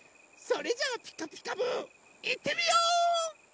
それじゃあ「ピカピカブ！」いってみよう！